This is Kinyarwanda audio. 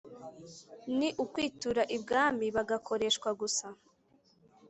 ni ukwitura ibwami bagakoreshwa gusa